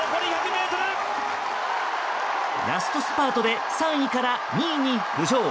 ラストスパートで３位から２位に浮上。